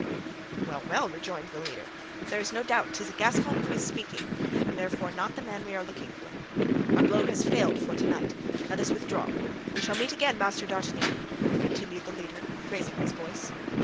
"Well, well," rejoined the leader, "there's no doubt 'tis a Gascon who is speaking, and therefore not the man we are looking for. Our blow has failed for to night; let us withdraw. We shall meet again, Master d'Artagnan," continued the leader, raising his voice.